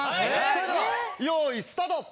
それではヨイスタート！